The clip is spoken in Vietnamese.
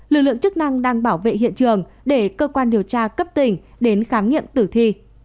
lực lượng chức năng đang bảo vệ hiện trường để cơ quan điều tra cấp tỉnh đến khám nghiệm tử thi